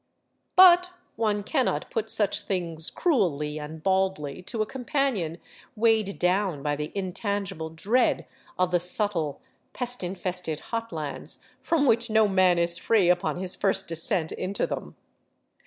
But one cannot put such things cruelly and baldly to a companion weighed down by the intangible dread of the subtle, pest infested hot lands, from which no man is free upon his first descent into them.